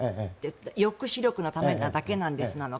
抑止力のためだけなんですとか。